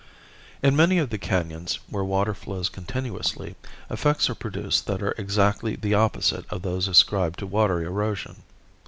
In many of the canons where water flows continuously, effects are produced that are exactly the opposite of those ascribed to water erosion.